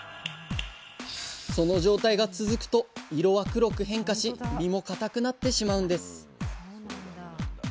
その状態が続くと色は黒く変化し身もかたくなってしまうんです。